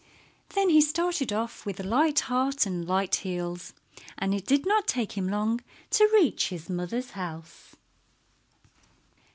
Then he started off with a light heart and light heels, and it did not take him long to reach his mother's house.